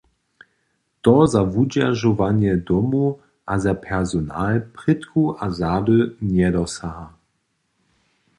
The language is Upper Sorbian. To za wudźeržowanje domu a za personal prědku a zady njedosaha.